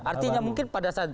artinya mungkin pada saat